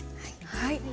はい。